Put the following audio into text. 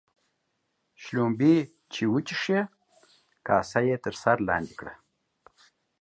شلومبې چې وچښې ، کاسه يې تر سر لاندي کړه.